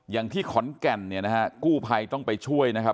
อย่างที่ขอนแก่นเนี่ยนะฮะกู้ภัยต้องไปช่วยนะครับ